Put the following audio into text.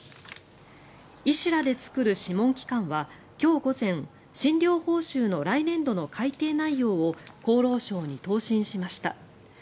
医師らで作る諮問機関は今日午前診療報酬の来年度の改定内容を厚労省に答申しました。